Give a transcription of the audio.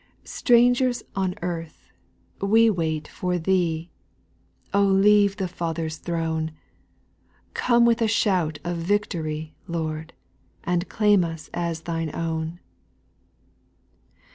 2. Strangers on earth, we wait for Thee ; O leave the Father's throne ; Come with a shout of victory, Lord, And claim us as Thine own.